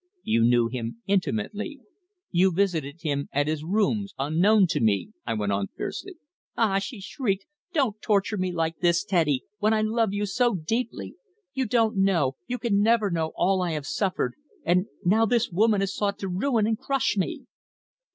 "You knew him intimately. You visited him at his rooms unknown to me!" I went on fiercely. "Ah!" she shrieked. "Don't torture me like this, Teddy, when I love you so deeply. You don't know you can never know all I have suffered and now this woman has sought to ruin and crush me!"